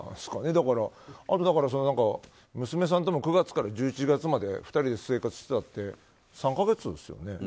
娘さんとも９月から１１月まで２人で生活してたって３か月ですよね。